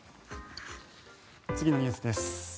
次のニュースです。